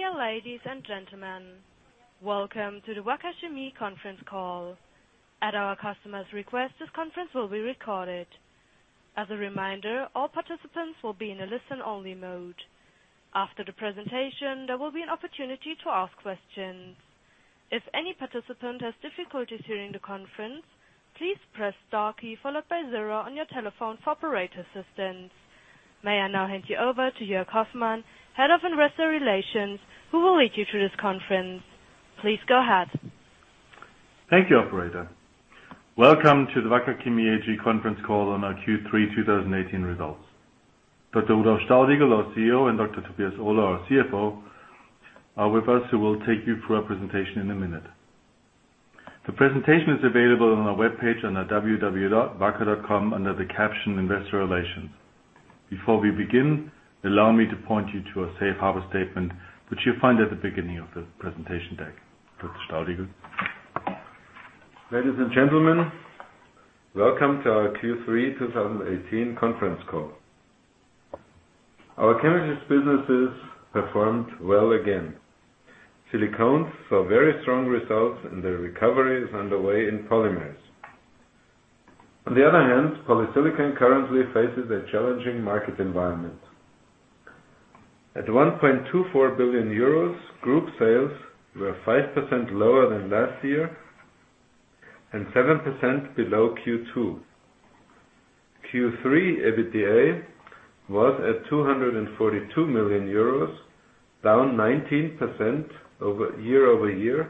Dear ladies and gentlemen. Welcome to the Wacker Chemie conference call. At our customer's request, this conference will be recorded. As a reminder, all participants will be in a listen-only mode. After the presentation, there will be an opportunity to ask questions. If any participant has difficulties hearing the conference, please press star key followed by zero on your telephone for operator assistance. May I now hand you over to Joerg Hoffmann, Head of Investor Relations, who will lead you through this conference. Please go ahead. Thank you, operator. Welcome to the Wacker Chemie AG conference call on our Q3 2018 results. Dr. Rudolf Staudigl, our CEO, and Dr. Tobias Ohler, our CFO, are with us who will take you through our presentation in a minute. The presentation is available on our webpage on our wacker.com under the caption Investor Relations. Before we begin, allow me to point you to a safe harbor statement, which you'll find at the beginning of the presentation deck. Dr. Staudigl. Ladies and gentlemen, welcome to our Q3 2018 conference call. Our chemicals businesses performed well again. Silicones saw very strong results. The recovery is underway in Polymers. On the other hand, Polysilicon currently faces a challenging market environment. At 1.24 billion euros, group sales were 5% lower than last year and 7% below Q2. Q3 EBITDA was at 242 million euros, down 19% year-over-year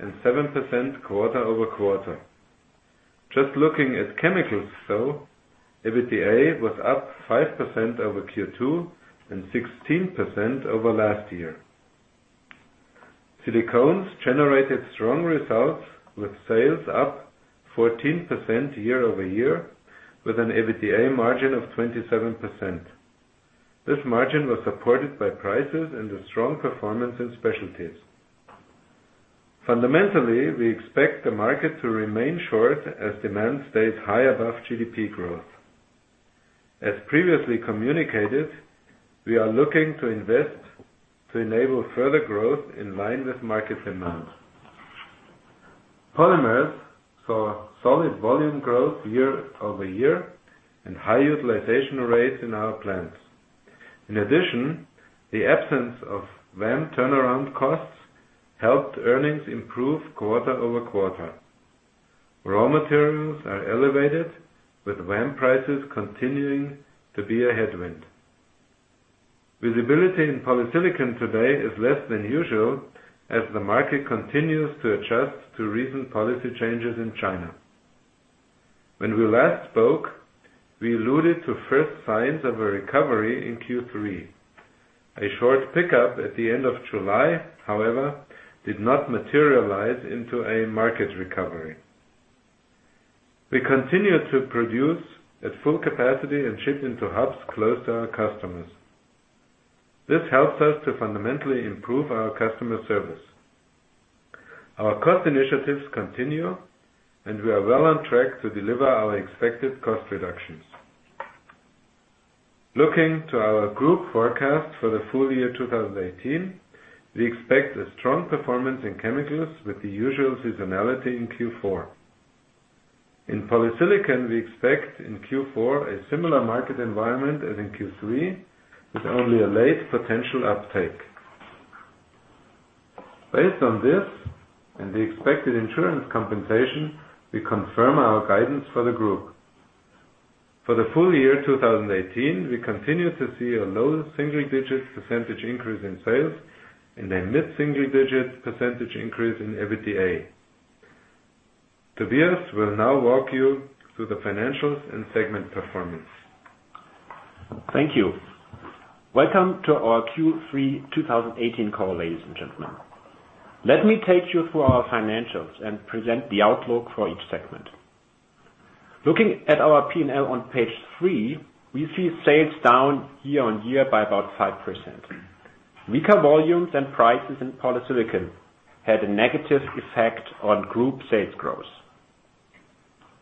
and 7% quarter-over-quarter. Just looking at chemicals, though, EBITDA was up 5% over Q2 and 16% over last year. Silicones generated strong results with sales up 14% year-over-year with an EBITDA margin of 27%. This margin was supported by prices and a strong performance in specialties. Fundamentally, we expect the market to remain short as demand stays high above GDP growth. As previously communicated, we are looking to invest to enable further growth in line with market demand. Polymers saw solid volume growth year-over-year and high utilization rates in our plants. In addition, the absence of VAM turnaround costs helped earnings improve quarter-over-quarter. Raw materials are elevated with VAM prices continuing to be a headwind. Visibility in Polysilicon today is less than usual as the market continues to adjust to recent policy changes in China. When we last spoke, we alluded to first signs of a recovery in Q3. A short pickup at the end of July, however, did not materialize into a market recovery. We continue to produce at full capacity and ship into hubs close to our customers. This helps us to fundamentally improve our customer service. Our cost initiatives continue, and we are well on track to deliver our expected cost reductions. Looking to our group forecast for the full year 2018, we expect a strong performance in chemicals with the usual seasonality in Q4. In Polysilicon, we expect in Q4 a similar market environment as in Q3 with only a late potential uptake. Based on this and the expected insurance compensation, we confirm our guidance for the group. For the full year 2018, we continue to see a low single-digit % increase in sales and a mid-single-digit % increase in EBITDA. Tobias will now walk you through the financials and segment performance. Thank you. Welcome to our Q3 2018 call, ladies and gentlemen. Let me take you through our financials and present the outlook for each segment. Looking at our P&L on page three, we see sales down year-on-year by about 5%. Weaker volumes and prices in Polysilicon had a negative effect on group sales growth.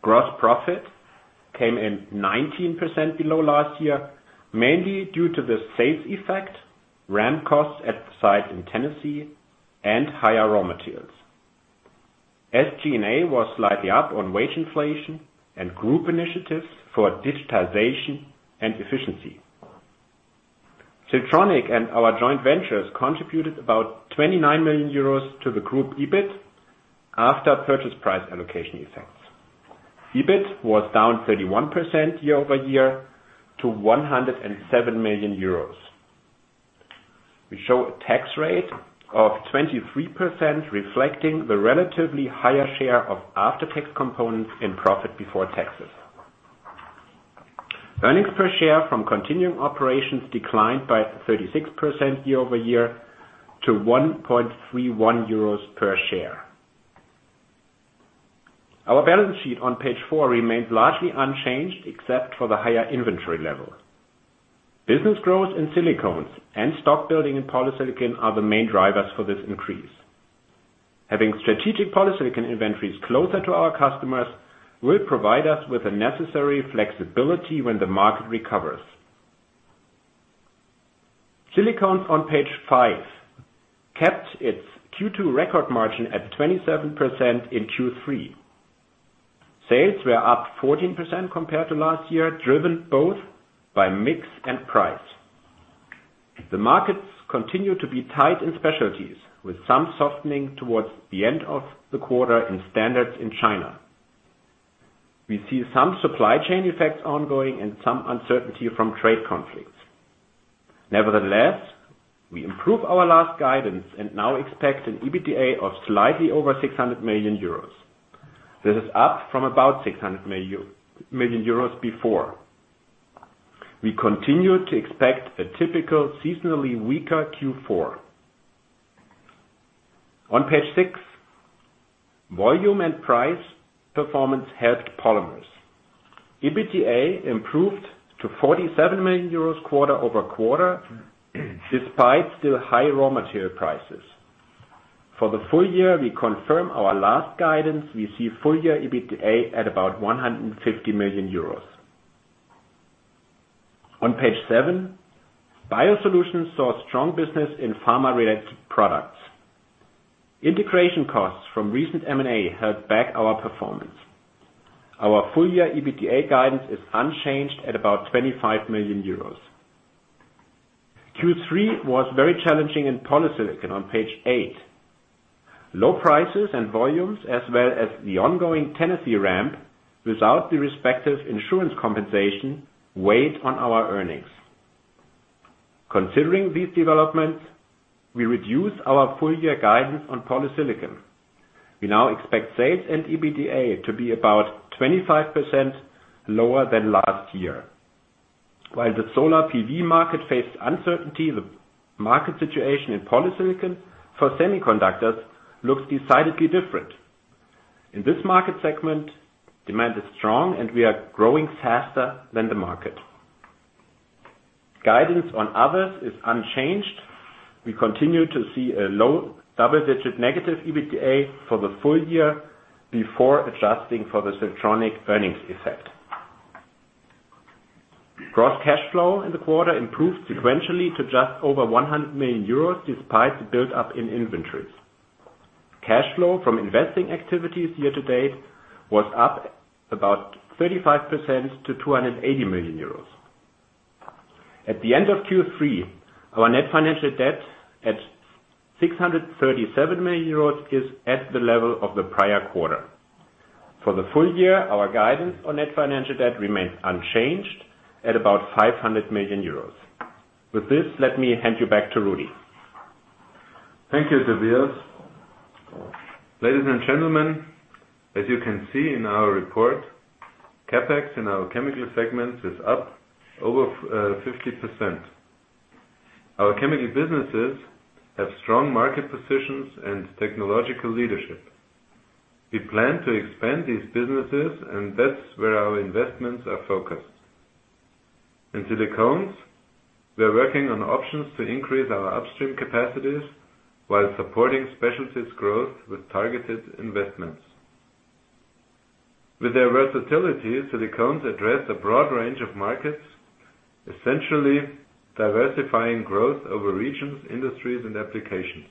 Gross profit came in 19% below last year, mainly due to the sales effect, ramp costs at the site in Tennessee, and higher raw materials. SG&A was slightly up on wage inflation and group initiatives for digitization and efficiency. Siltronic and our joint ventures contributed about €29 million to the group EBIT after purchase price allocation effects. EBIT was down 31% year-over-year to €107 million. We show a tax rate of 23%, reflecting the relatively higher share of after-tax components in profit before taxes. Earnings per share from continuing operations declined by 36% year-over-year to €1.31 per share. Our balance sheet on page four remains largely unchanged except for the higher inventory level. Business growth in Silicones and stock building in Polysilicon are the main drivers for this increase. Having strategic Polysilicon inventories closer to our customers will provide us with the necessary flexibility when the market recovers. Silicones on page five, kept its Q2 record margin at 27% in Q3. Sales were up 14% compared to last year, driven both by mix and price. The markets continue to be tight in specialties, with some softening towards the end of the quarter in standards in China. We see some supply chain effects ongoing and some uncertainty from trade conflicts. Nevertheless, we improved our last guidance and now expect an EBITDA of slightly over €600 million. This is up from about €600 million before. We continue to expect a typical seasonally weaker Q4. On page six, volume and price performance helped Polymers. EBITDA improved to €47 million quarter-over-quarter, despite still high raw material prices. For the full year, we confirm our last guidance. We see full year EBITDA at about €150 million. On page seven, Biosolutions saw strong business in pharma-related products. Integration costs from recent M&A held back our performance. Our full year EBITDA guidance is unchanged at about €25 million. Q3 was very challenging in Polysilicon on page eight. Low prices and volumes, as well as the ongoing Tennessee ramp without the respective insurance compensation, weighed on our earnings. Considering these developments, we reduced our full year guidance on Polysilicon. We now expect sales and EBITDA to be about 25% lower than last year. While the solar PV market faced uncertainty, the market situation in polysilicon for semiconductors looks decidedly different. In this market segment, demand is strong, and we are growing faster than the market. Guidance on others is unchanged. We continue to see a low double-digit negative EBITDA for the full year before adjusting for the Siltronic earnings effect. Gross cash flow in the quarter improved sequentially to just over 100 million euros, despite the build-up in inventories. Cash flow from investing activities year to date was up about 35% to 280 million euros. At the end of Q3, our net financial debt at 637 million euros is at the level of the prior quarter. For the full year, our guidance on net financial debt remains unchanged at about 500 million euros. With this, let me hand you back to Rudi. Thank you, Tobias. Ladies and gentlemen, as you can see in our report, CapEx in our chemical segments is up over 50%. Our chemical businesses have strong market positions and technological leadership. We plan to expand these businesses, and that's where our investments are focused. In Silicones, we are working on options to increase our upstream capacities while supporting specialties growth with targeted investments. With their versatility, Silicones address a broad range of markets, essentially diversifying growth over regions, industries, and applications.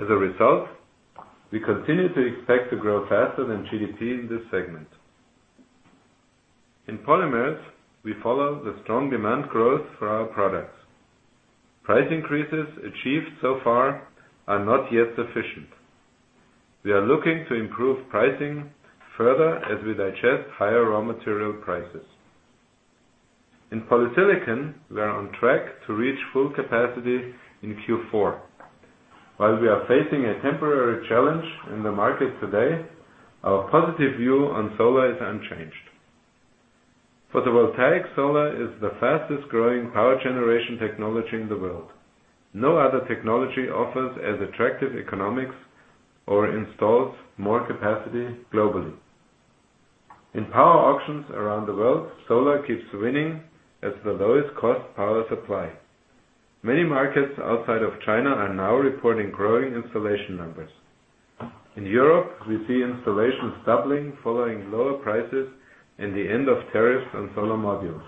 As a result, we continue to expect to grow faster than GDP in this segment. In polymers, we follow the strong demand growth for our products. Price increases achieved so far are not yet sufficient. We are looking to improve pricing further as we digest higher raw material prices. In polysilicon, we are on track to reach full capacity in Q4. While we are facing a temporary challenge in the market today, our positive view on solar is unchanged. Photovoltaic solar is the fastest-growing power generation technology in the world. No other technology offers as attractive economics or installs more capacity globally. In power auctions around the world, solar keeps winning as the lowest cost power supply. Many markets outside of China are now reporting growing installation numbers. In Europe, we see installations doubling following lower prices and the end of tariffs on solar modules.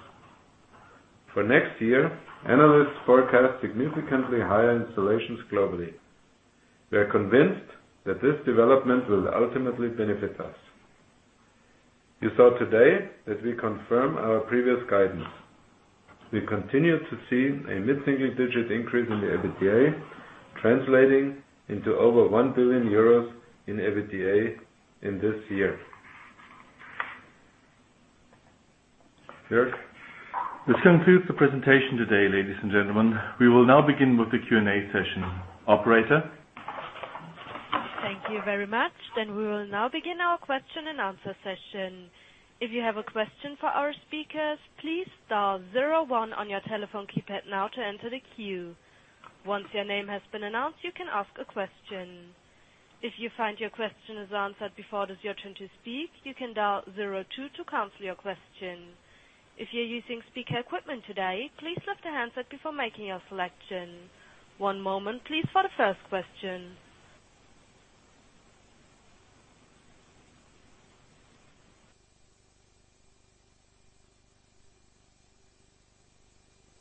For next year, analysts forecast significantly higher installations globally. We are convinced that this development will ultimately benefit us. You saw today that we confirm our previous guidance. We continue to see a mid-single-digit increase in the EBITDA, translating into over 1 billion euros in EBITDA in this year. Joerg? This concludes the presentation today, ladies and gentlemen. We will now begin with the Q&A session. Operator? Thank you very much. We will now begin our question and answer session. If you have a question for our speakers, please dial 01 on your telephone keypad now to enter the queue. Once your name has been announced, you can ask a question. If you find your question is answered before it is your turn to speak, you can dial 02 to cancel your question. If you are using speaker equipment today, please lift the handset before making your selection. One moment please for the first question.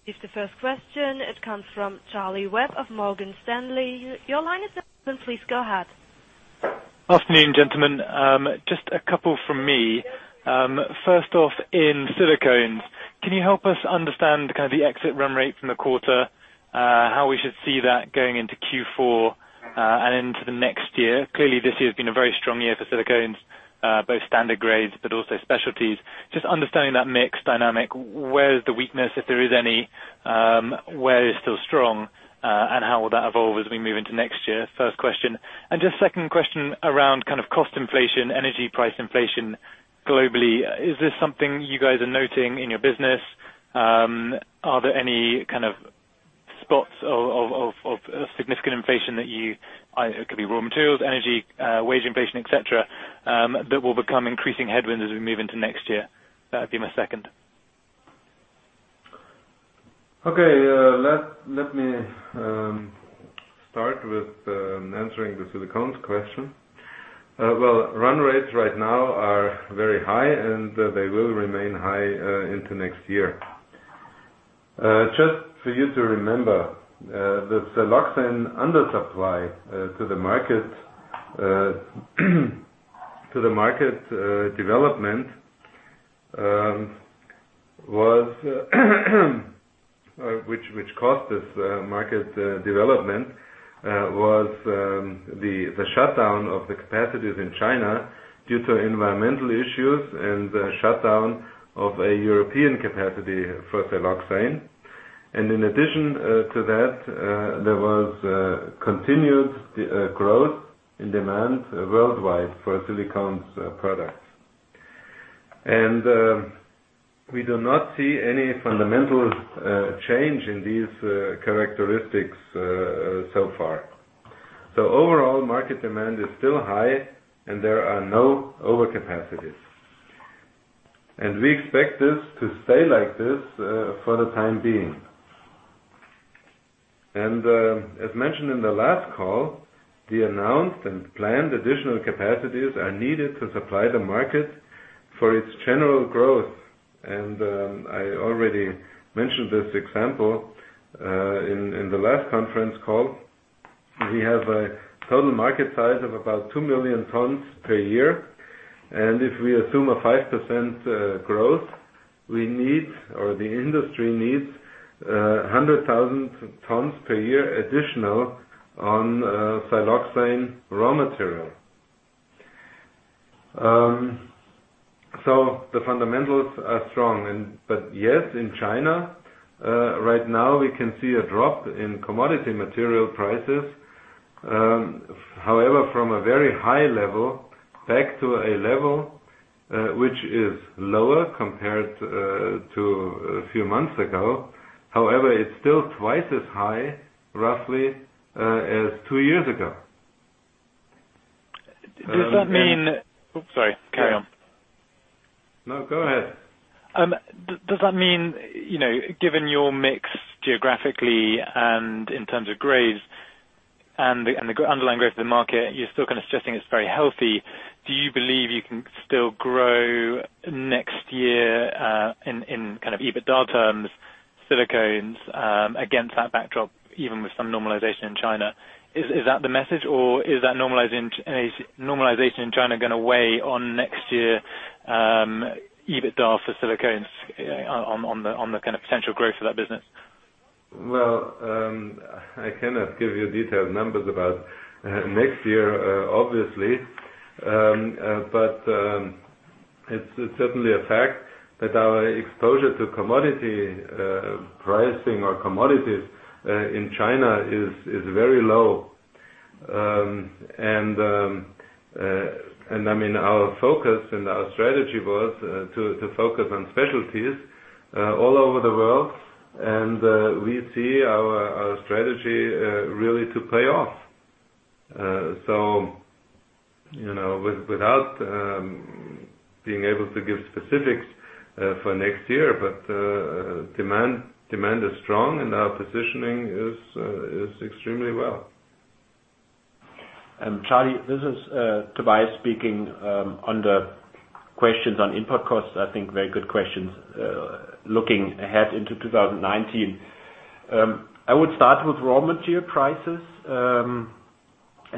Here is the first question. It comes from Charlie Webb of Morgan Stanley. Your line is open. Please go ahead. Good afternoon, gentlemen. Just a couple from me. First off, in Silicones, can you help us understand kind of the exit run rate from the quarter, how we should see that going into Q4, and into the next year? Clearly, this year has been a very strong year for Silicones, both standard grades, but also specialties. Just understanding that mix dynamic, where is the weakness, if there is any? Where it is still strong, and how will that evolve as we move into next year? First question. Just second question around kind of cost inflation, energy price inflation globally. Is this something you guys are noting in your business? Are there any kind of spots of significant inflation? It could be raw materials, energy, wage inflation, et cetera, that will become increasing headwinds as we move into next year? That would be my second. Okay. Let me start with answering the Silicones question. Well, run rates right now are very high, and they will remain high into next year. Just for you to remember, the siloxane undersupply to the market development, which caused this market development, was the shutdown of the capacities in China due to environmental issues and shutdown of a European capacity for siloxane. In addition to that, there was continued growth in demand worldwide for Silicones products. We do not see any fundamental change in these characteristics so far. Overall, market demand is still high and there are no overcapacities. We expect this to stay like this for the time being. As mentioned in the last call, the announced and planned additional capacities are needed to supply the market for its general growth. I already mentioned this example in the last conference call. We have a total market size of about 2 million tons per year, and if we assume a 5% growth, we need, or the industry needs, 100,000 tons per year additional on siloxane raw material. The fundamentals are strong. Yes, in China, right now we can see a drop in commodity material prices. However, from a very high level back to a level which is lower compared to a few months ago. However, it is still twice as high, roughly, as two years ago. Oops, sorry. Carry on. No, go ahead. Does that mean, given your mix geographically and in terms of grades and the underlying growth of the market, you're still kind of stressing it's very healthy. Do you believe you can still grow next year, in kind of EBITDA terms, Silicones, against that backdrop, even with some normalization in China? Is that the message, or is that normalization in China going to weigh on next year EBITDA for Silicones on the kind of potential growth of that business? Well, I cannot give you detailed numbers about next year, obviously. It's certainly a fact that our exposure to commodity pricing or commodities in China is very low. Our focus and our strategy was to focus on specialties all over the world. We see our strategy really to pay off. Without being able to give specifics for next year, but demand is strong and our positioning is extremely well. Charlie, this is Tobias speaking. On the questions on input costs, I think very good questions looking ahead into 2019. I would start with raw material prices.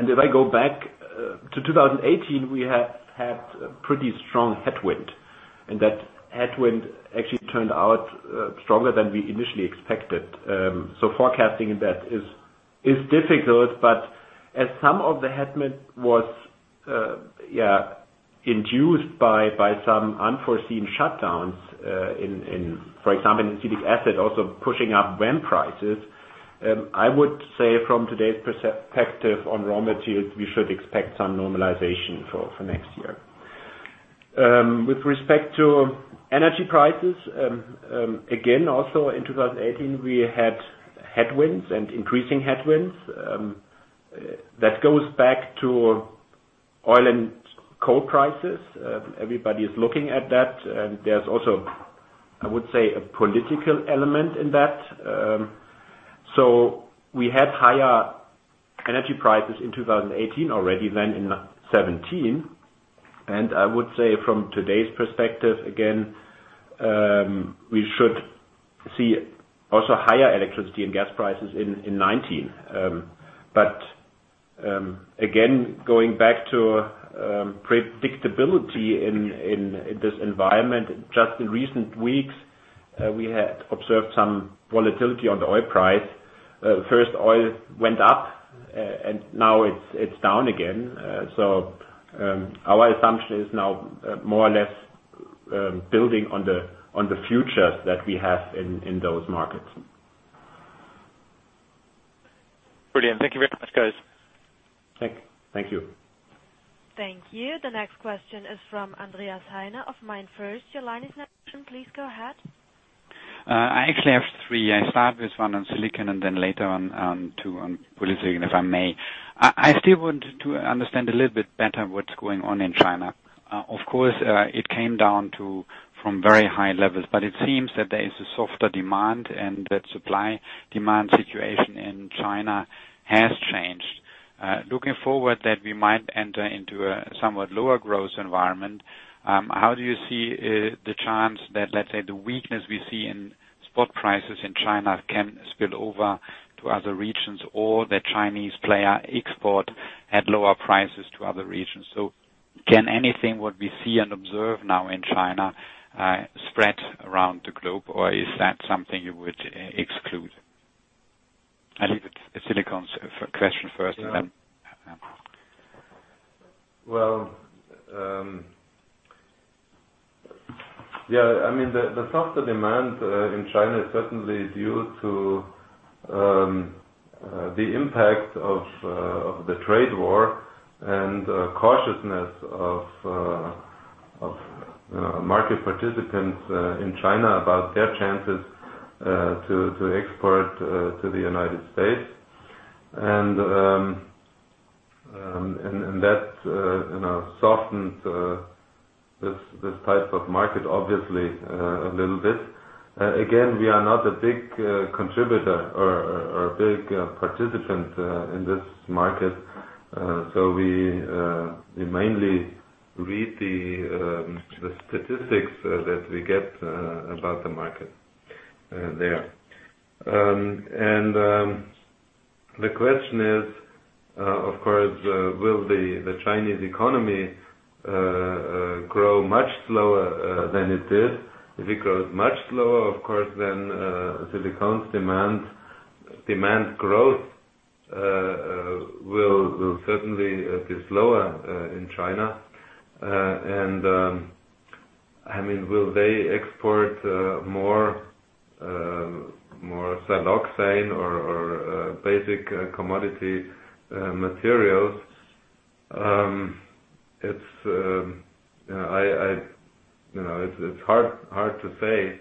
If I go back to 2018, we have had a pretty strong headwind, and that headwind actually turned out stronger than we initially expected. Forecasting in that is difficult, but as some of the headwind was induced by some unforeseen shutdowns in, for example, in acetic acid, also pushing up VAM prices. I would say from today's perspective on raw materials, we should expect some normalization for next year. With respect to energy prices, again, also in 2018, we had headwinds and increasing headwinds. That goes back to oil and coal prices. Everybody is looking at that. There's also, I would say, a political element in that. We had higher energy prices in 2018 already than in 2017. I would say from today's perspective, again, we should see also higher electricity and gas prices in 2019. Again, going back to predictability in this environment, just in recent weeks, we had observed some volatility on the oil price. First oil went up, and now it's down again. Our assumption is now more or less building on the futures that we have in those markets. Brilliant. Thank you very much, guys. Thank you. Thank you. The next question is from Andreas Heine of MainFirst. Your line is now open. Please go ahead. I actually have three. I start with one on Silicones, and then later on two on polysilicon, if I may. I still want to understand a little bit better what's going on in China. Of course, it came down from very high levels, but it seems that there is a softer demand and that supply-demand situation in China has changed. Looking forward that we might enter into a somewhat lower growth environment, how do you see the chance that, let's say, the weakness we see in spot prices in China can spill over to other regions, or that Chinese player export at lower prices to other regions? Can anything, what we see and observe now in China, spread around the globe, or is that something you would exclude? I leave it, the Silicones question first and then Well, the softer demand in China is certainly due to the impact of the trade war and cautiousness of market participants in China about their chances to export to the United States. That softened this type of market, obviously, a little bit. Again, we are not a big contributor or a big participant in this market. We mainly read the statistics that we get about the market there. The question is, of course, will the Chinese economy grow much slower than it did? If it grows much slower, of course, then Silicones demand growth will certainly be slower in China. Will they export more siloxane or basic commodity materials? It's hard to say,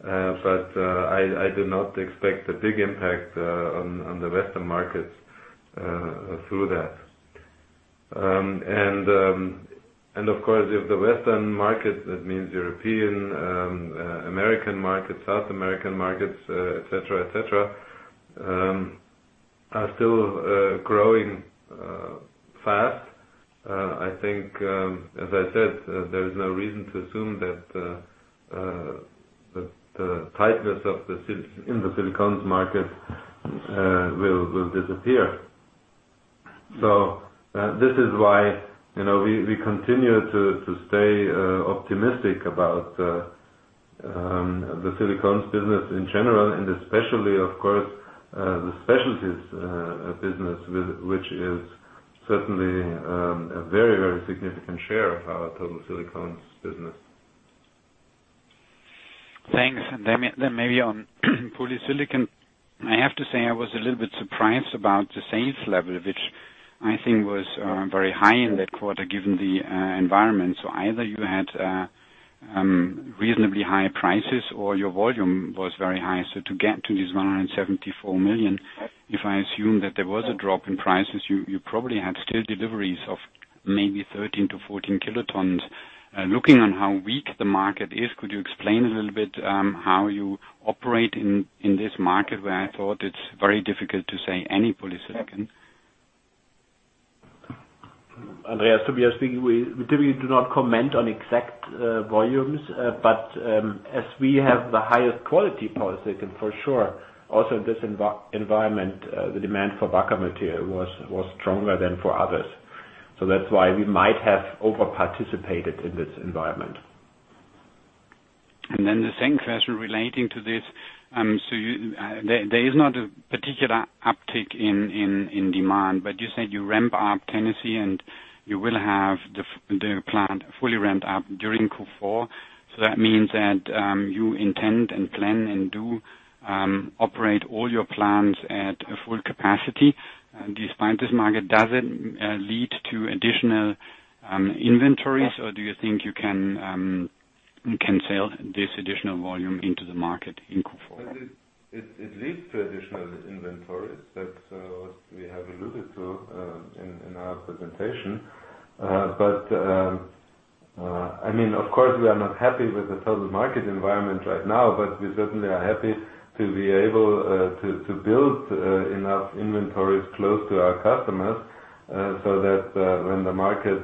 but I do not expect a big impact on the Western markets through that. Of course, if the Western market, that means European, American market, South American markets, et cetera are still growing fast, I think, as I said, there is no reason to assume that the tightness in the Silicones market will disappear. This is why we continue to stay optimistic about the Silicones business in general, and especially, of course, the specialties business, which is certainly a very significant share of our total Silicones business. Thanks. Maybe on polysilicon. I have to say, I was a little bit surprised about the sales level, which I think was very high in that quarter given the environment. Either you had reasonably high prices or your volume was very high. To get to this 174 million, if I assume that there was a drop in prices, you probably had still deliveries of maybe 13 to 14 kilotons. Looking on how weak the market is, could you explain a little bit how you operate in this market where I thought it's very difficult to sell any polysilicon? Andreas, to be speaking, we typically do not comment on exact volumes. As we have the highest quality polysilicon, for sure, also in this environment, the demand for Wacker material was stronger than for others. That's why we might have over-participated in this environment. The second question relating to this. There is not a particular uptick in demand, but you said you ramp up Tennessee, and you will have the plant fully ramped up during Q4. That means that you intend and plan and do operate all your plants at a full capacity. Despite this market, does it lead to additional inventories, or do you think you can sell this additional volume into the market in Q4? It leads to additional inventories that we have alluded to in our presentation. Of course, we are not happy with the total market environment right now, but we certainly are happy to be able to build enough inventories close to our customers, so that when the market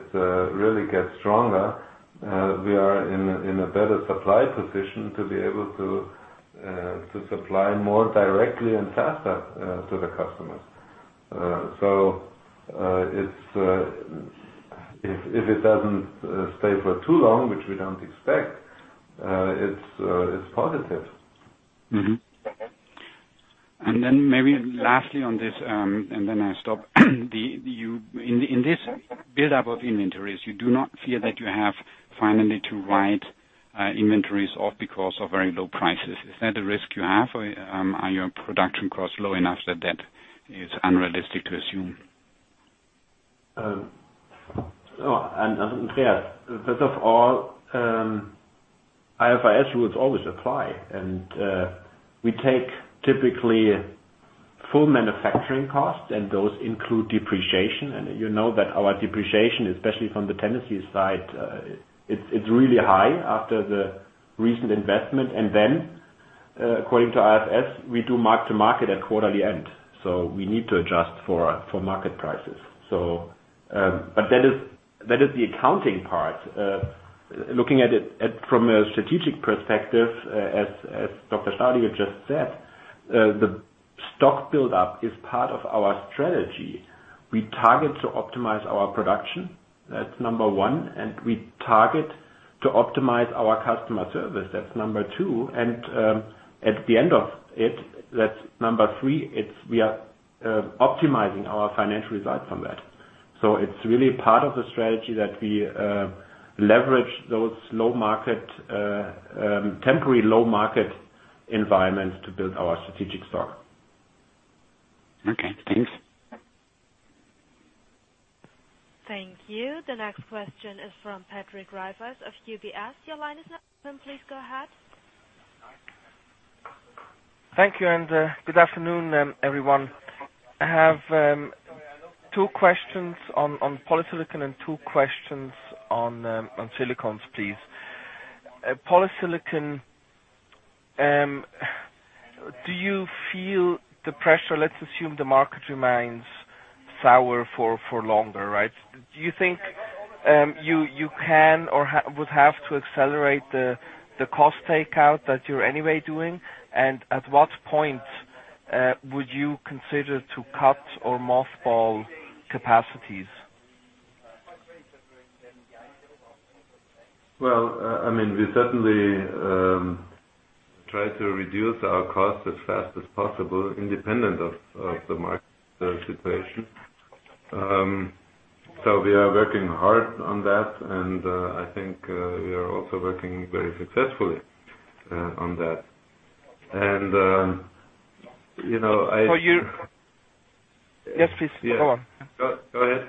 really gets stronger, we are in a better supply position to be able to supply more directly and faster to the customers. If it doesn't stay for too long, which we don't expect, it's positive. Mm-hmm. Maybe lastly on this, and then I stop. In this buildup of inventories, you do not fear that you have finally to write inventories off because of very low prices. Is that a risk you have? Are your production costs low enough that that is unrealistic to assume? First of all, IFRS rules always apply, and we take typically full manufacturing costs, and those include depreciation. You know that our depreciation, especially from the Tennessee side, it's really high after the recent investment. According to IFRS, we do mark to market at quarterly end. We need to adjust for market prices. That is the accounting part. Looking at it from a strategic perspective, as Dr. Staudigl just said, the stock buildup is part of our strategy. We target to optimize our production. That's number 1, and we target to optimize our customer service. That's number 2. At the end of it, that's number 3, we are optimizing our financial results from that. It's really part of the strategy that we leverage those temporary low-market environments to build our strategic stock. Okay, thanks. Thank you. The next question is from Patrick Rafaisz of UBS. Your line is now open. Please go ahead. Thank you, good afternoon, everyone. I have two questions on polysilicon and two questions on Silicones, please. Polysilicon, do you feel the pressure? Let's assume the market remains sour for longer, right? Do you think you can or would have to accelerate the cost takeout that you're anyway doing? At what point would you consider to cut or mothball capacities? Well, we certainly try to reduce our costs as fast as possible, independent of the market situation. We are working hard on that, and I think we are also working very successfully on that. Yes, please. Go on. Go ahead.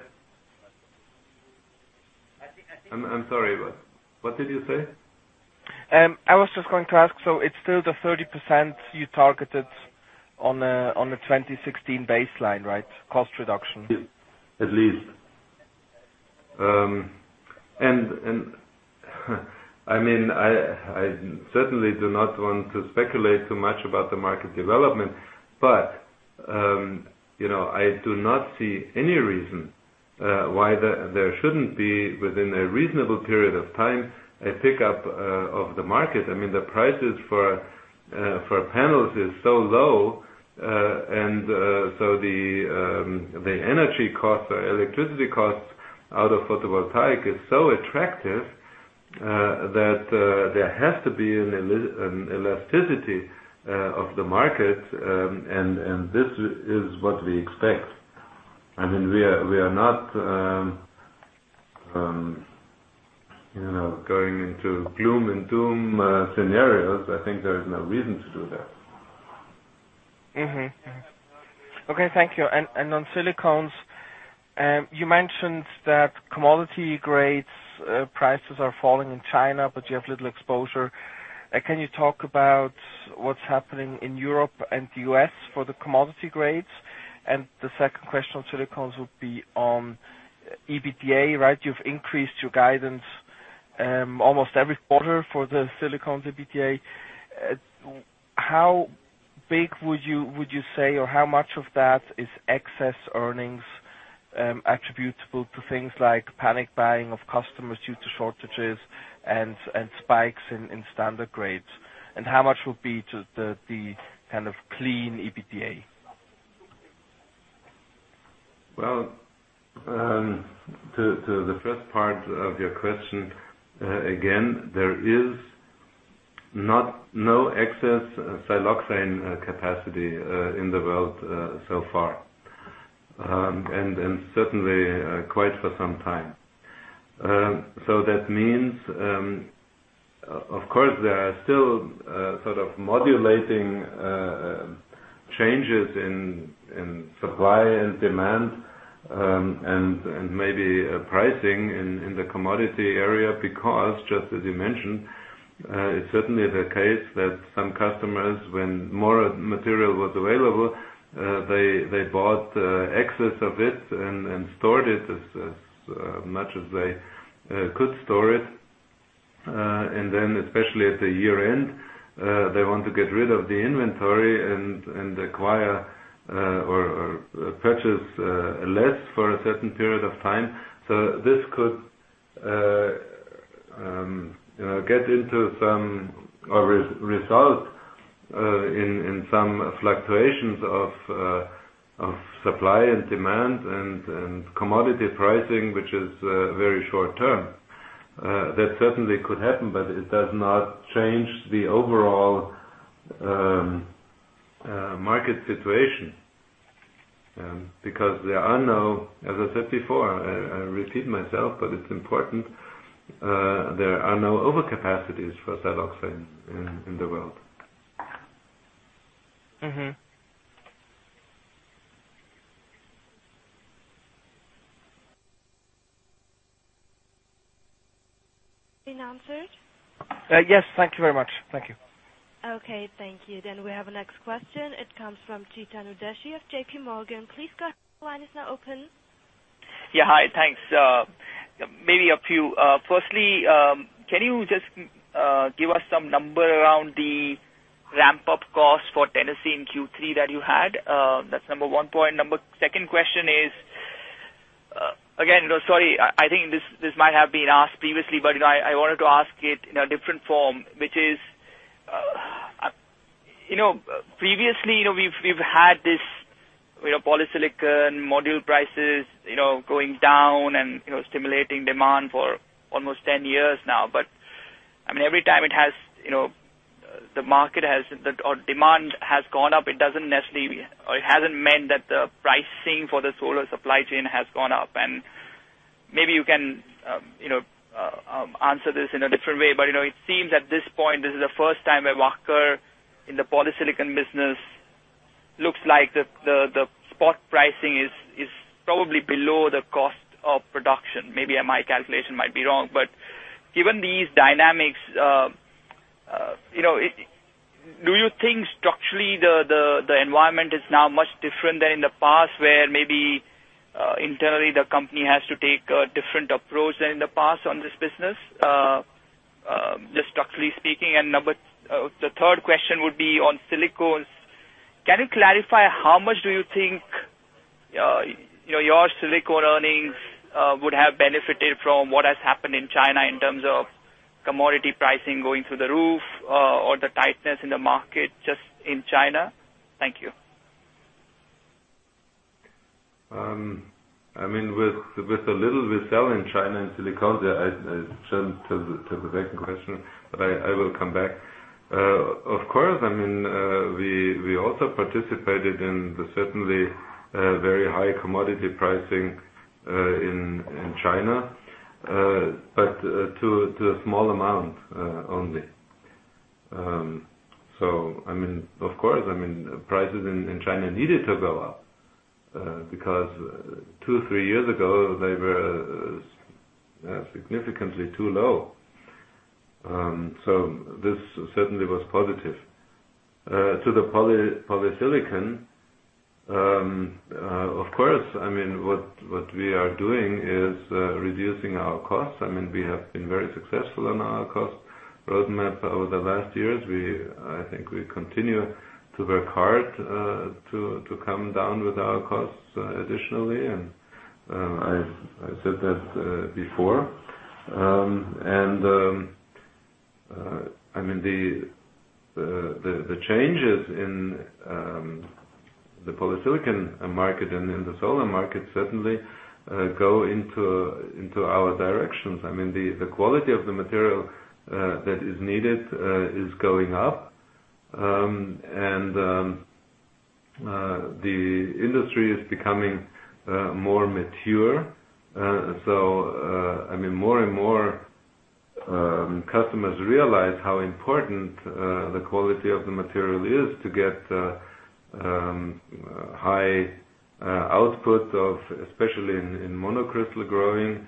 I'm sorry, but what did you say? I was just going to ask, it's still the 30% you targeted on the 2016 baseline, right? Cost reduction. At least. I certainly do not want to speculate too much about the market development, I do not see any reason why there shouldn't be, within a reasonable period of time, a pickup of the market. The prices for panels is so low, the energy cost or electricity cost out of photovoltaic is so attractive, that there has to be an elasticity of the market, and this is what we expect. We are not going into gloom and doom scenarios. I think there is no reason to do that. Okay, thank you. On Silicones, you mentioned that commodity grades prices are falling in China, you have little exposure. Can you talk about what's happening in Europe and the U.S. for the commodity grades? The second question on Silicones would be on EBITDA, right? You've increased your guidance almost every quarter for the Silicones EBITDA. How big would you say, or how much of that is excess earnings attributable to things like panic buying of customers due to shortages and spikes in standard grades? How much would be just the kind of clean EBITDA? Well, to the first part of your question, again, there is no excess siloxane capacity in the world so far, certainly quite for some time. That means, of course, there are still sort of modulating changes in supply and demand, and maybe pricing in the commodity area, because, just as you mentioned, it's certainly the case that some customers, when more material was available, they bought excess of it and stored it as much as they could store it. Then especially at the year-end, they want to get rid of the inventory and acquire or purchase less for a certain period of time. This could get into some or result in some fluctuations of supply and demand and commodity pricing, which is very short-term. That certainly could happen, but it does not change the overall market situation, because there are no, as I said before, I repeat myself, but it's important, there are no overcapacities for siloxane in the world. Been answered? Yes. Thank you very much. Thank you. Okay. Thank you. We have the next question. It comes from Chetan Udeshi of JPMorgan. Please go ahead, your line is now open. Yeah. Hi, thanks. Maybe a few. Firstly, can you just give us some number around the ramp-up cost for Tennessee in Q3 that you had? That is number 1 point. The second question is, again, sorry, I think this might have been asked previously, but I wanted to ask it in a different form, which is, previously, we have had this polysilicon module prices going down and stimulating demand for almost 10 years now. Every time the market has, or demand has gone up, it has not meant that the pricing for the solar supply chain has gone up. Maybe you can answer this in a different way, but it seems at this point, this is the first time at Wacker in the polysilicon business, looks like the spot pricing is probably below the cost of production. Maybe my calculation might be wrong. Given these dynamics, do you think structurally the environment is now much different than in the past, where maybe internally the company has to take a different approach than in the past on this business, just structurally speaking? The third question would be on Silicones. Can you clarify how much do you think your silicone earnings would have benefited from what has happened in China in terms of commodity pricing going through the roof, or the tightness in the market just in China? Thank you. With the little we sell in China in Silicones, to the second question, but I will come back. Of course, we also participated in the certainly very high commodity pricing in China, but to a small amount, only. Of course, prices in China needed to go up, because two, three years ago, they were significantly too low. This certainly was positive. To the polysilicon, of course, what we are doing is reducing our costs. We have been very successful on our cost roadmap over the last years. I think we continue to work hard to come down with our costs additionally, and I said that before. The changes in the polysilicon market and in the solar market certainly go into our directions. The quality of the material that is needed is going up, and the industry is becoming more mature. More and more customers realize how important the quality of the material is to get high output, especially in monocrystal growing,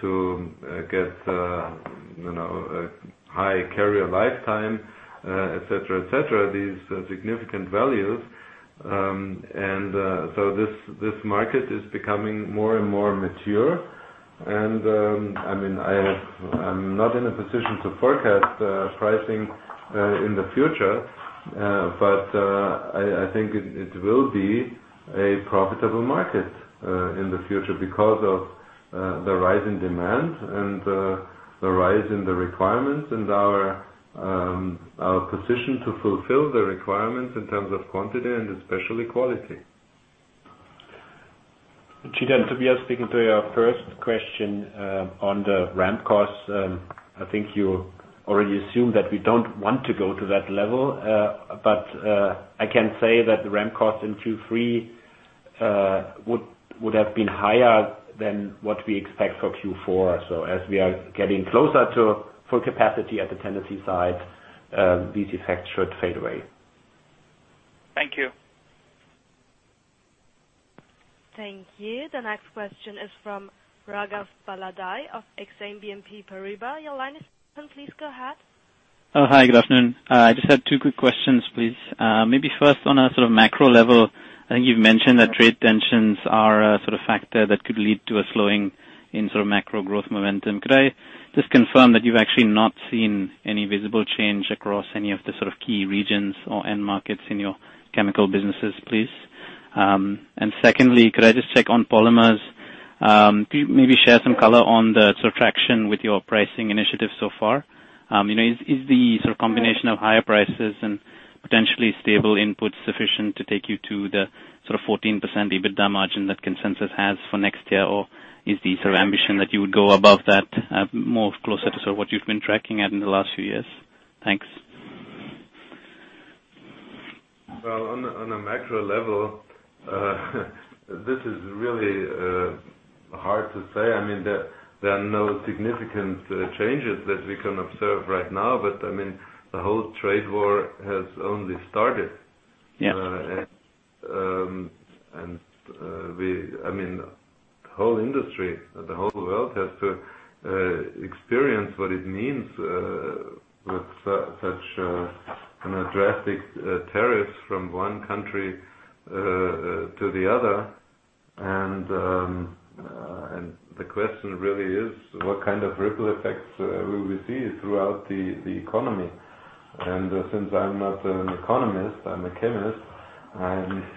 to get a high carrier lifetime, et cetera. These significant values. This market is becoming more and more mature. I am not in a position to forecast pricing in the future, but I think it will be a profitable market in the future because of the rise in demand and the rise in the requirements and our position to fulfill the requirements in terms of quantity and especially quality. Chetan, Tobias speaking to your first question on the ramp costs. I think you already assume that we don't want to go to that level. I can say that the ramp cost in Q3 would have been higher than what we expect for Q4. As we are getting closer to full capacity at the Tennessee site, these effects should fade away. Thank you. Thank you. The next question is from Raghav Bardalai of Exane BNP Paribas. Your line is open. Please go ahead. Hi. Good afternoon. I just had two quick questions, please. Maybe first on a sort of macro level, I think you've mentioned that trade tensions are a factor that could lead to a slowing in macro growth momentum. Could I just confirm that you've actually not seen any visible change across any of the sort of key regions or end markets in your chemical businesses, please? Secondly, could I just check on polymers? Could you maybe share some color on the traction with your pricing initiative so far? Is the combination of higher prices and potentially stable inputs sufficient to take you to the 14% EBITDA margin that consensus has for next year? Or is the ambition that you would go above that, more closer to what you've been tracking at in the last few years? Thanks. On a macro level this is really hard to say. There are no significant changes that we can observe right now. The whole trade war has only started. Yeah. The whole industry, the whole world has to experience what it means with such drastic tariffs from one country to the other. The question really is, what kind of ripple effects will we see throughout the economy? Since I'm not an economist, I'm a chemist,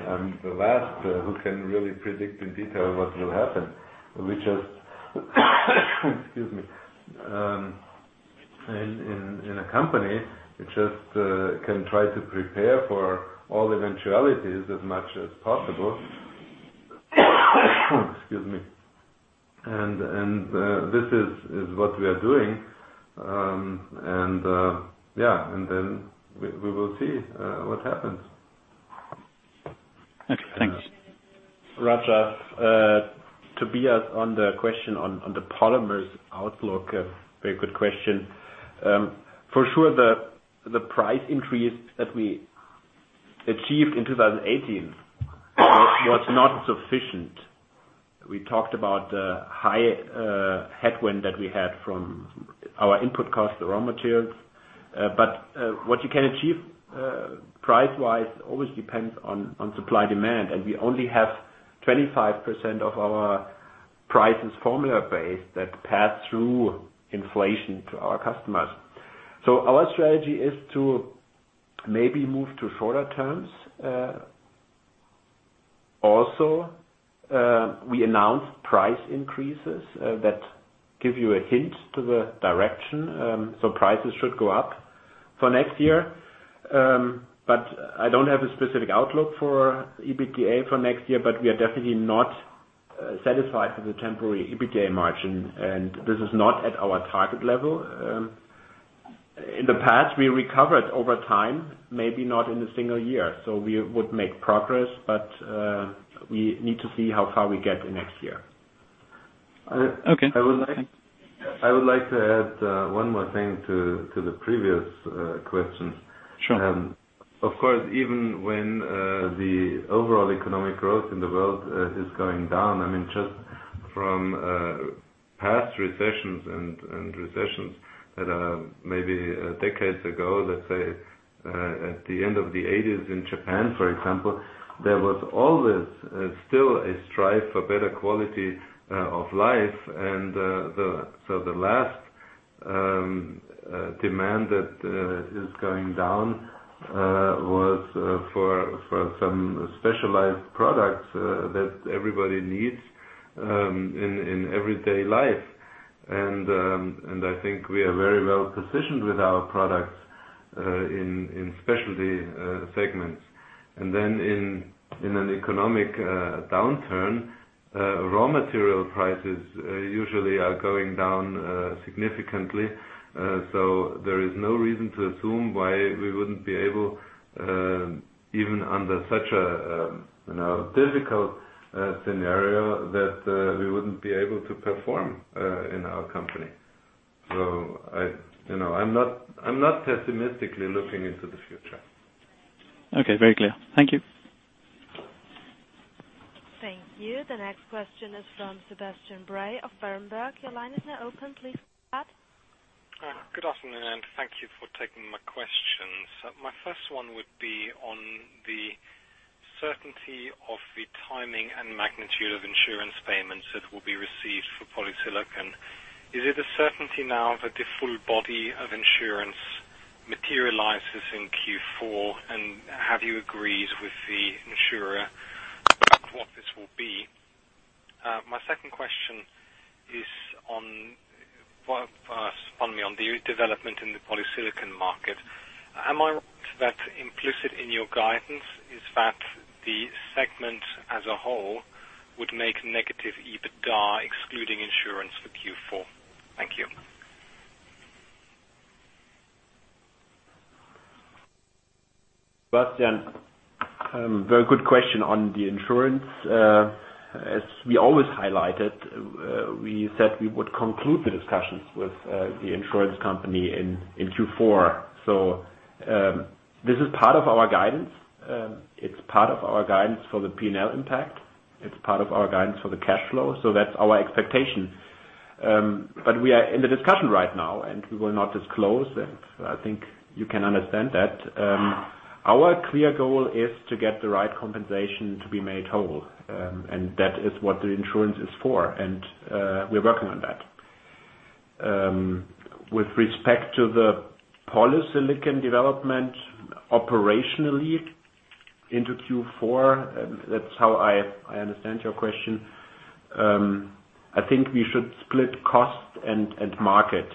I'm the last who can really predict in detail what will happen. In a company, we just can try to prepare for all eventualities as much as possible. This is what we are doing. We will see what happens. Okay, thanks. Raghav, Tobias on the question on the polymers outlook, a very good question. For sure, the price increase that we achieved in 2018 was not sufficient. We talked about the high headwind that we had from our input cost, the raw materials. What you can achieve price-wise always depends on supply-demand. We only have 25% of our prices formula base that pass through inflation to our customers. Our strategy is to maybe move to shorter terms. Also, we announced price increases that give you a hint to the direction. Prices should go up for next year. I don't have a specific outlook for EBITDA for next year, but we are definitely not satisfied with the temporary EBITDA margin, and this is not at our target level. In the past, we recovered over time, maybe not in a single year. We would make progress, but we need to see how far we get in next year. Okay. I would like to add one more thing to the previous questions. Sure. Of course, even when the overall economic growth in the world is going down, just from past recessions and recessions that are maybe decades ago, let's say, at the end of the '80s in Japan, for example, there was always still a strive for better quality of life. The last demand that is going down was for some specialized products that everybody needs in everyday life. I think we are very well-positioned with our products, in specialty segments. In an economic downturn, raw material prices usually are going down significantly. There is no reason to assume why we wouldn't be able, even under such a difficult scenario, that we wouldn't be able to perform in our company. I'm not pessimistically looking into the future. Okay. Very clear. Thank you. Thank you. The next question is from Sebastian Bray of Berenberg. Your line is now open, please go ahead. Good afternoon, and thank you for taking my questions. My first one would be on the certainty of the timing and magnitude of insurance payments that will be received for polysilicon. Is it a certainty now that the full body of insurance materializes in Q4, and have you agreed with the insurer what this will be? My second question is. Pardon me. On the development in the polysilicon market. Am I right that implicit in your guidance is that the segment as a whole would make negative EBITDA excluding insurance for Q4? Sebastian, very good question on the insurance. As we always highlighted, we said we would conclude the discussions with the insurance company in Q4. This is part of our guidance. It's part of our guidance for the P&L impact. It's part of our guidance for the cash flow. That's our expectation. We are in the discussion right now, and we will not disclose, and I think you can understand that. Our clear goal is to get the right compensation to be made whole, and that is what the insurance is for, and we're working on that. With respect to the polysilicon development operationally into Q4, that's how I understand your question. I think we should split cost and market.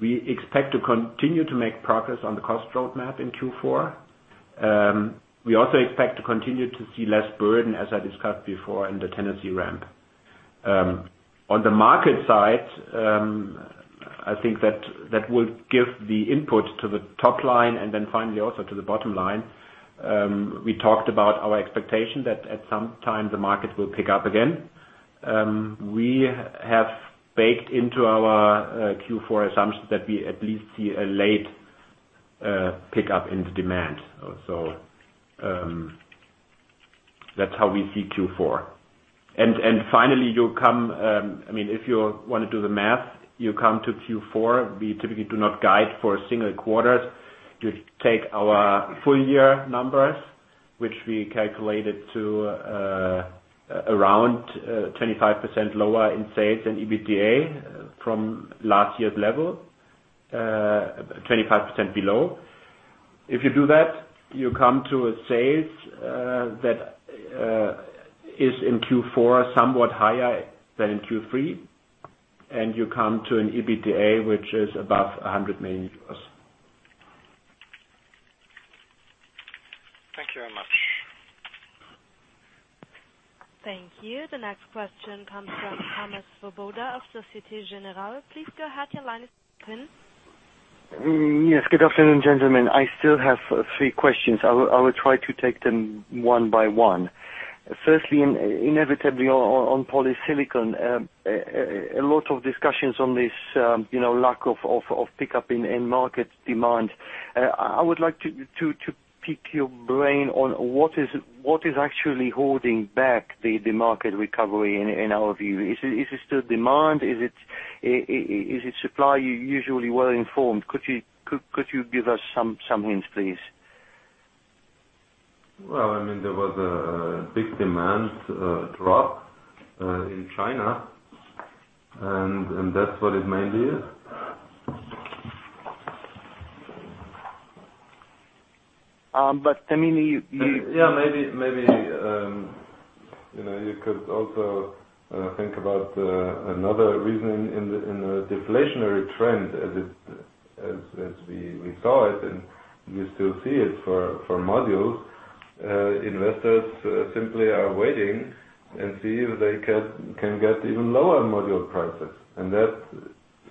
We expect to continue to make progress on the cost roadmap in Q4. We also expect to continue to see less burden, as I discussed before, in the Tennessee ramp. On the market side, I think that will give the input to the top line and then finally also to the bottom line. We talked about our expectation that at some time the market will pick up again. We have baked into our Q4 assumptions that we at least see a late pickup in the demand. That's how we see Q4. Finally, if you want to do the math, you come to Q4. We typically do not guide for single quarters. You take our full-year numbers, which we calculated to around 25% lower in sales and EBITDA from last year's level, 25% below. If you do that, you come to a sales that is in Q4 somewhat higher than in Q3, and you come to an EBITDA which is above 100 million euros. Thank you very much. Thank you. The next question comes from Thomas Swoboda of Societe Generale. Please go ahead, your line is open. Yes. Good afternoon, gentlemen. I still have three questions. I will try to take them one by one. Firstly, inevitably on polysilicon. A lot of discussions on this lack of pickup in market demand. I would like to pick your brain on what is actually holding back the market recovery in our view. Is it still demand? Is it supply? You are usually well informed. Could you give us some hints, please? Well, there was a big demand drop in China, and that's what it mainly is. I mean. Yeah, maybe, you could also think about another reason in the deflationary trend as we saw it, and we still see it for modules. Investors simply are waiting and see if they can get even lower module prices.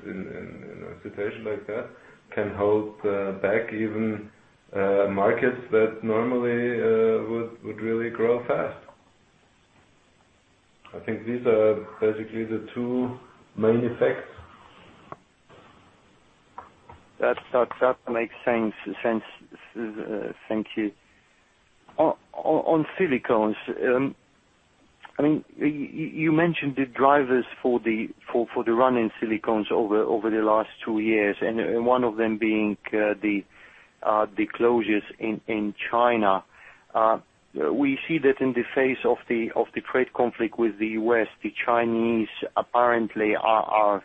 A situation like that can hold back even markets that normally would really grow fast. I think these are basically the two main effects. That makes sense. Thank you. On Silicones, you mentioned the drivers for the run in Silicones over the last two years, and one of them being the closures in China. We see that in the face of the trade conflict with the U.S., the Chinese apparently are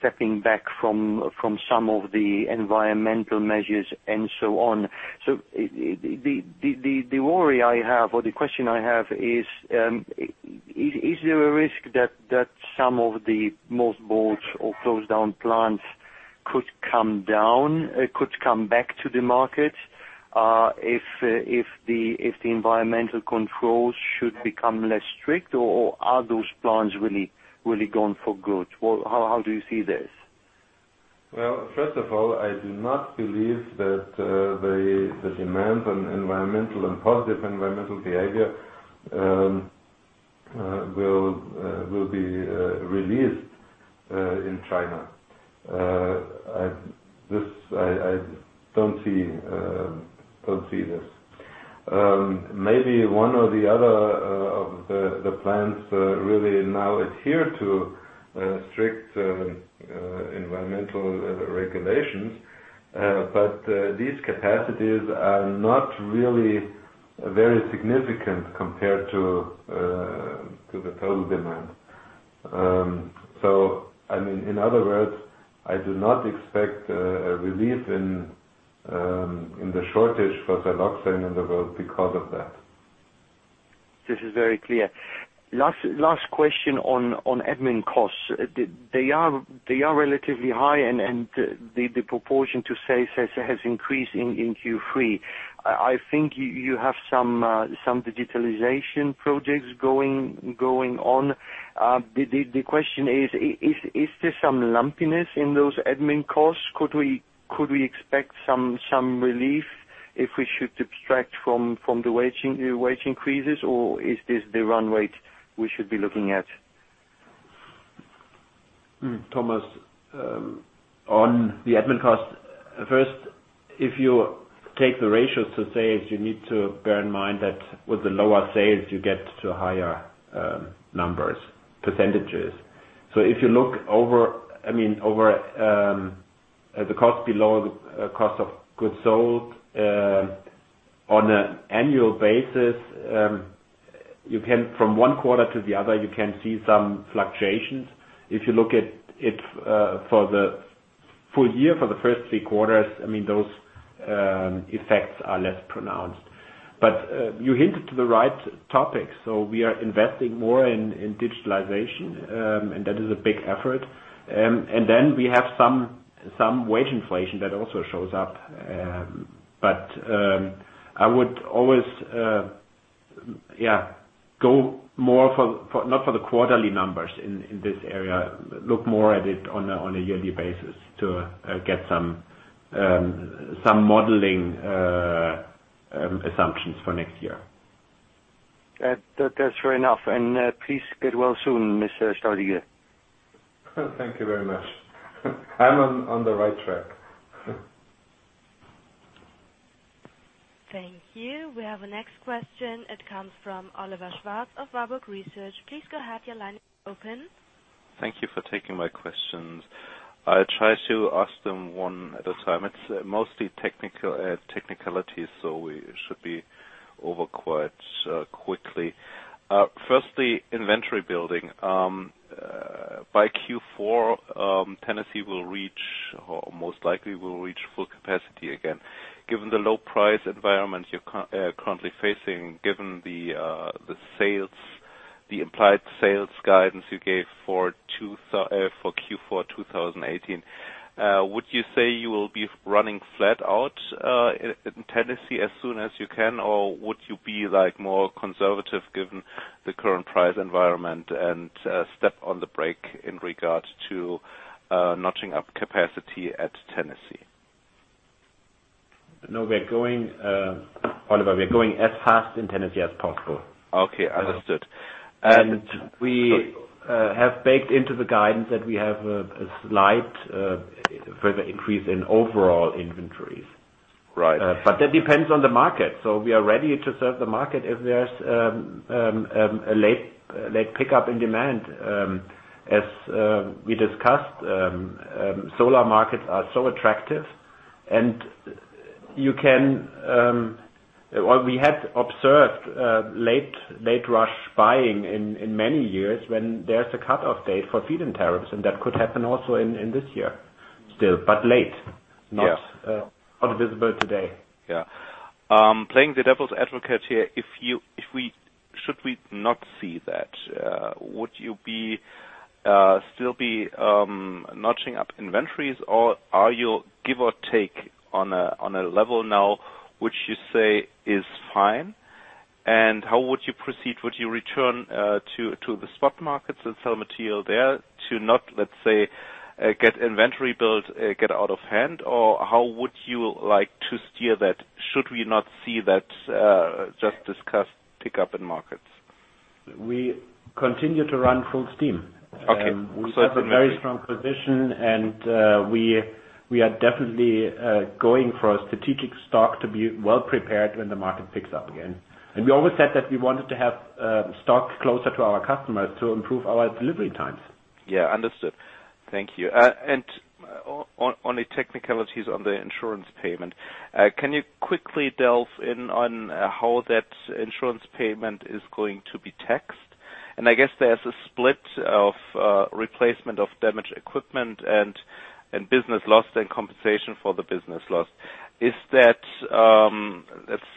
stepping back from some of the environmental measures and so on. The worry I have or the question I have is: Is there a risk that some of the most old or closed down plants could come back to the market if the environmental controls should become less strict, or are those plants really gone for good? How do you see this? First of all, I do not believe that the demand and positive environmental behavior will be released in China. I don't see this. Maybe one or the other of the plants really now adhere to strict environmental regulations, but these capacities are not really very significant compared to the total demand. In other words, I do not expect a relief in the shortage for siloxane in the world because of that. This is very clear. Last question on admin costs. They are relatively high, and the proportion to sales has increased in Q3. I think you have some digitalization projects going on. The question is there some lumpiness in those admin costs? Could we expect some relief? If we should subtract from the wage increases or is this the run rate we should be looking at? Thomas, on the admin costs. First, if you take the ratios to sales, you need to bear in mind that with the lower sales, you get to higher numbers, percentages. If you look over the cost below the cost of goods sold on an annual basis, from one quarter to the other, you can see some fluctuations. If you look at it for the full year, for the first three quarters, those effects are less pronounced. You hinted to the right topic. We are investing more in digitalization, and that is a big effort. Then we have some wage inflation that also shows up. I would always go more for, not for the quarterly numbers in this area, look more at it on a yearly basis to get some modeling assumptions for next year. That's fair enough. Please get well soon, Mr. Staudigl. Thank you very much. I'm on the right track. Thank you. We have the next question. It comes from Oliver Schwarz of Warburg Research. Please go ahead, your line is open. Thank you for taking my questions. I'll try to ask them one at a time. It's mostly technicalities, so we should be over quite quickly. Firstly, inventory building. By Q4, Tennessee will reach, or most likely will reach full capacity again. Given the low price environment you're currently facing, given the implied sales guidance you gave for Q4 2018, would you say you will be running flat out in Tennessee as soon as you can, or would you be more conservative given the current price environment and step on the brake in regards to notching up capacity at Tennessee? No, Oliver, we're going as fast in Tennessee as possible. Okay. Understood. We have baked into the guidance that we have a slight further increase in overall inventories. Right. That depends on the market. We are ready to serve the market if there's a late pickup in demand. As we discussed, solar markets are so attractive, and we had observed late rush buying in many years when there's a cutoff date for feed-in tariffs, and that could happen also in this year still, but late, not visible today. Yeah. Playing the devil's advocate here. Should we not see that, would you still be notching up inventories, or are you give or take on a level now which you say is fine? How would you proceed? Would you return to the spot markets and sell material there to not, let's say, get inventory build get out of hand? How would you like to steer that should we not see that just discussed pickup in markets? We continue to run full steam. Okay. We have a very strong position, and we are definitely going for a strategic stock to be well-prepared when the market picks up again. We always said that we wanted to have stock closer to our customers to improve our delivery times. Yeah. Understood. Thank you. On the technicalities on the insurance payment, can you quickly delve in on how that insurance payment is going to be taxed? I guess there's a split of replacement of damaged equipment and business loss and compensation for the business loss. Let's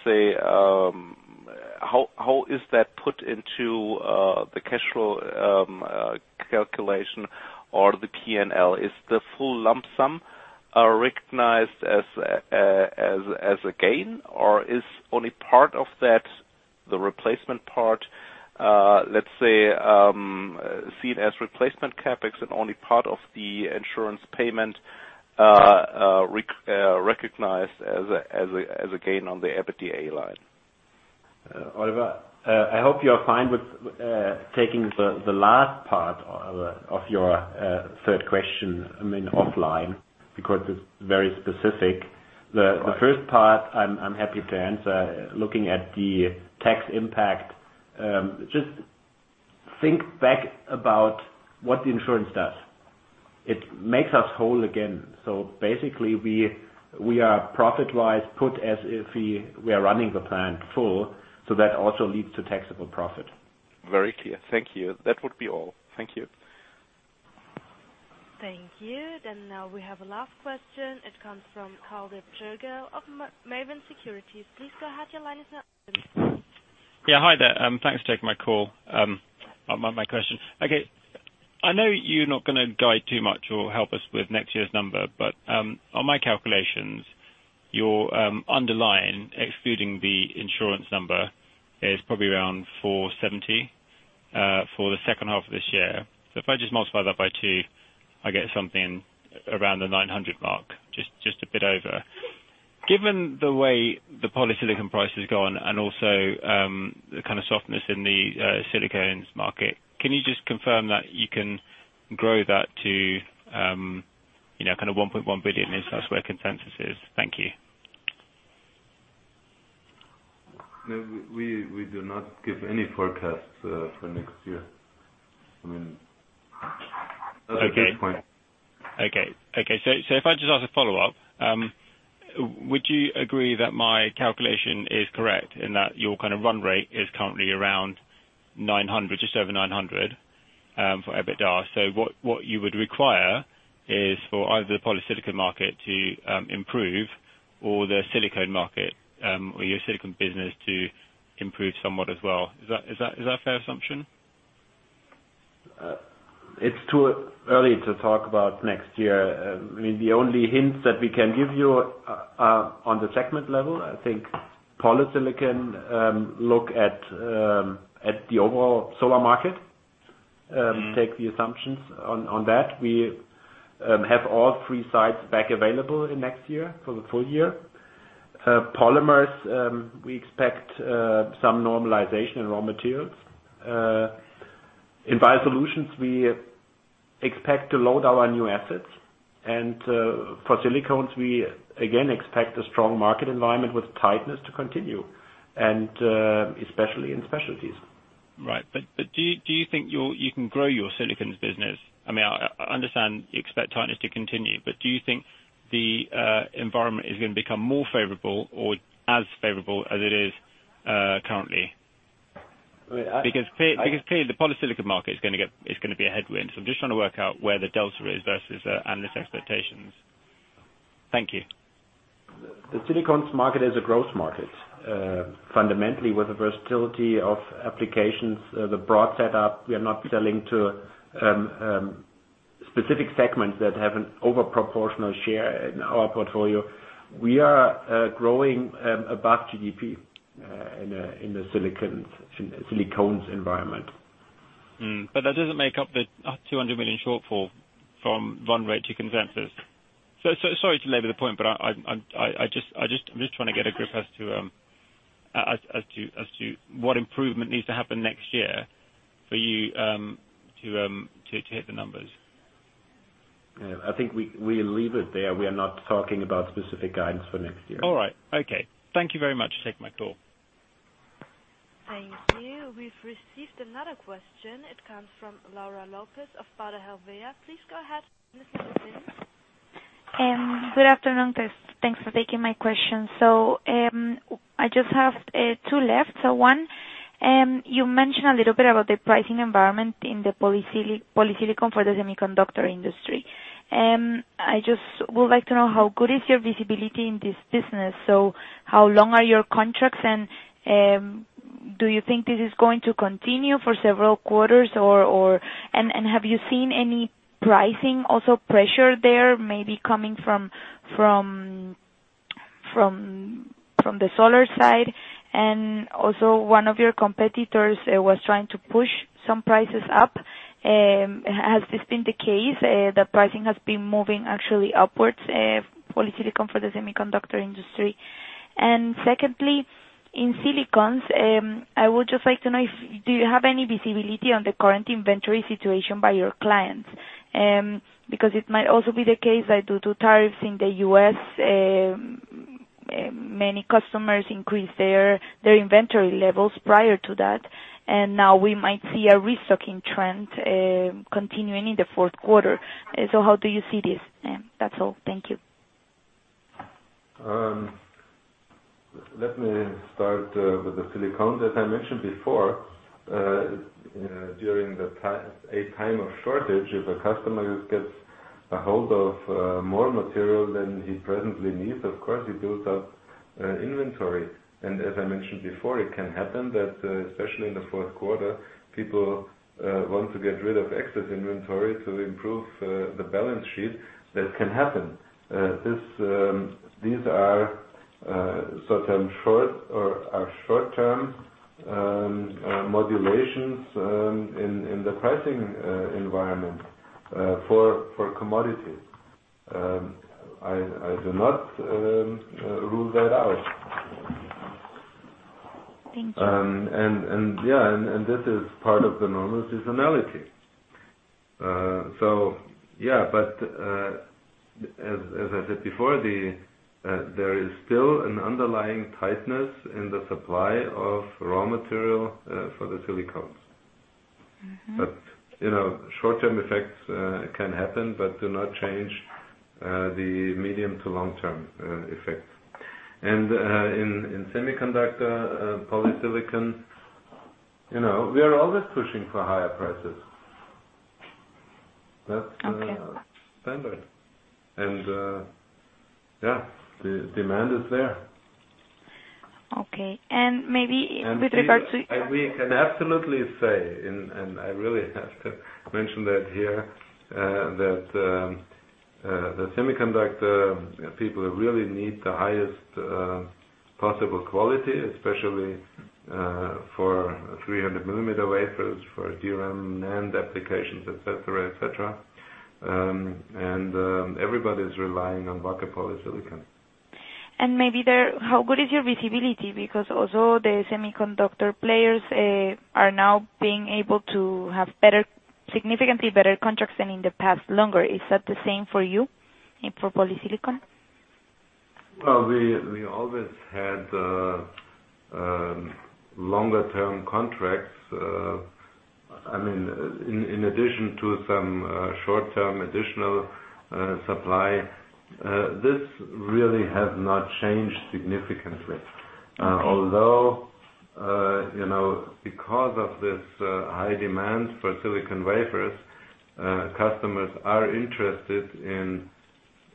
say, how is that put into the cash flow calculation or the P&L? Is the full lump sum recognized as a gain, or is only part of that, the replacement part, let's say, seen as replacement CapEx and only part of the insurance payment recognized as a gain on the EBITDA line? Oliver, I hope you are fine with taking the last part of your third question offline, because it's very specific. The first part I am happy to answer, looking at the tax impact. Just think back about what the insurance does. It makes us whole again. Basically, we are profit-wise put as if we are running the plant full, so that also leads to taxable profit. Very clear. Thank you. That would be all. Thank you. Thank you. Now we have a last question. It comes from Kaldi Purgo of Maven Securities. Please go ahead, your line is now open. Hi there. Thanks for taking my call. My question. I know you're not going to guide too much or help us with next year's number, on my calculations, your underlying, excluding the insurance number, is probably around 470 for the second half of this year. If I just multiply that by two, I get something around the 900 mark, just a bit over. Given the way the polysilicon price has gone and also the kind of softness in the Silicones market, can you just confirm that you can grow that to 1.1 billion, at least that's where consensus is? Thank you. No, we do not give any forecasts for next year. I mean, not at this point. Okay. If I just ask a follow-up, would you agree that my calculation is correct and that your run rate is currently around just over 900 for EBITDA? What you would require is for either the polysilicon market to improve or the Silicones market, or your Silicones business to improve somewhat as well. Is that a fair assumption? It is too early to talk about next year. The only hints that we can give you are on the segment level. I think polysilicon look at the overall solar market. Take the assumptions on that. We have all three sites back available in next year for the full year. Polymers, we expect some normalization in raw materials. In Biosolutions, we expect to load our new assets, and for Silicones, we again expect a strong market environment with tightness to continue, and especially in specialties. Right. Do you think you can grow your Silicones business? I understand you expect tightness to continue, do you think the environment is going to become more favorable or as favorable as it is currently? I- Clearly the Polysilicon market is going to be a headwind. I'm just trying to work out where the delta is versus analyst expectations. Thank you. The Silicones market is a growth market. Fundamentally with the versatility of applications, the broad setup, we are not selling to specific segments that have an overproportional share in our portfolio. We are growing above GDP in the Silicones environment. Hmm. That doesn't make up the 200 million shortfall from run rate to consensus. Sorry to labor the point, I'm just trying to get a grip as to what improvement needs to happen next year for you to hit the numbers. I think we'll leave it there. We are not talking about specific guidance for next year. All right. Okay. Thank you very much. I take my call. Thank you. We've received another question. It comes from Laura Lopez of Baader Helvea. Please go ahead. You may proceed. Good afternoon. Thanks for taking my question. I just have two left. One, you mentioned a little bit about the pricing environment in the polysilicon for the semiconductor industry. I just would like to know how good is your visibility in this business. How long are your contracts, and do you think this is going to continue for several quarters, and have you seen any pricing also pressure there maybe coming from the solar side? Also one of your competitors was trying to push some prices up. Has this been the case? The pricing has been moving actually upwards, polysilicon for the semiconductor industry. Secondly, in Silicones, I would just like to know, do you have any visibility on the current inventory situation by your clients? Because it might also be the case that due to tariffs in the U.S., many customers increased their inventory levels prior to that, and now we might see a restocking trend continuing in the fourth quarter. How do you see this? That's all. Thank you. Let me start with the Silicones. As I mentioned before, during a time of shortage, if a customer gets a hold of more material than he presently needs, of course, he builds up inventory. As I mentioned before, it can happen that, especially in the fourth quarter, people want to get rid of excess inventory to improve the balance sheet. That can happen. These are short-term modulations in the pricing environment for commodities. I do not rule that out. Thank you. This is part of the normal seasonality. As I said before, there is still an underlying tightness in the supply of raw material for the Silicones. short-term effects can happen but do not change the medium to long-term effects. In semiconductor polysilicon, we are always pushing for higher prices. Okay. That's standard. The demand is there. Okay. We can absolutely say, and I really have to mention that here, that the semiconductor people really need the highest possible quality, especially for 300 mm wafers for DRAM, NAND applications, et cetera. Everybody's relying on Wacker polysilicon. Maybe there, how good is your visibility? Because although the semiconductor players are now being able to have significantly better contracts than in the past, longer, is that the same for you and for polysilicon? Well, we always had longer term contracts. In addition to some short-term additional supply, this really has not changed significantly. Although, because of this high demand for silicon wafers, customers are interested in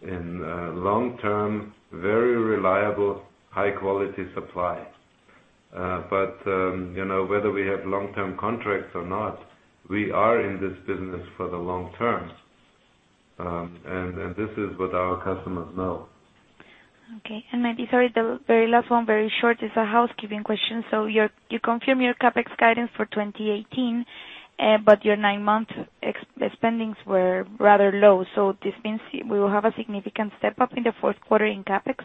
long-term, very reliable, high-quality supply. Whether we have long-term contracts or not, we are in this business for the long term. This is what our customers know. Okay. Maybe, sorry, the very last one, very short. It is a housekeeping question. You confirm your CapEx guidance for 2018, but your nine-month spendings were rather low. This means we will have a significant step up in the fourth quarter in CapEx?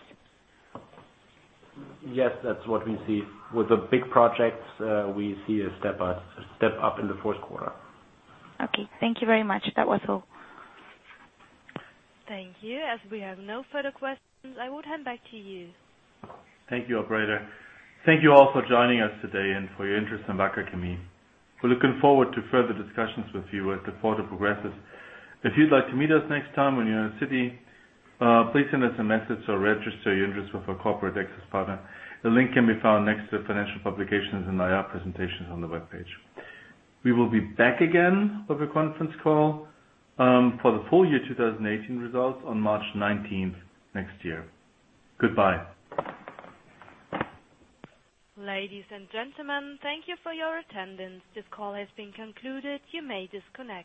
Yes, that's what we see. With the big projects, we see a step up in the fourth quarter. Okay. Thank you very much. That was all. Thank you. As we have no further questions, I will hand back to you. Thank you, operator. Thank you all for joining us today and for your interest in Wacker Chemie. We're looking forward to further discussions with you as the quarter progresses. If you'd like to meet us next time when you're in the city, please send us a message or register your interest with our corporate access partner. The link can be found next to financial publications and IR presentations on the webpage. We will be back again with a conference call for the full year 2018 results on March 19th, next year. Goodbye. Ladies and gentlemen, thank you for your attendance. This call has been concluded. You may disconnect.